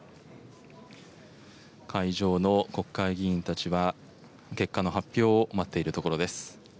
会場の国会議員たちは、結果の発表を待っているところです。